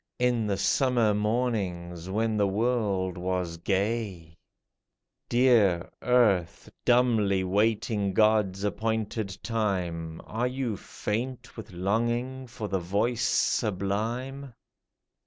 In the summer mornings when the world was gay ? Dear Earth, dumbly waiting God's appointed time, Are you faint with longing for the voice sublime